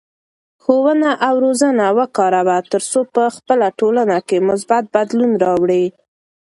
ښوونه او روزنه وکاروه ترڅو په خپله ټولنه کې مثبت بدلون راوړې.